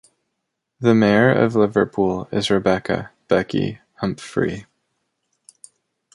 The mayor of Liverpool is Rebecca "Becky" Humphery.